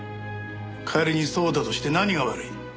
仮にそうだとして何が悪い？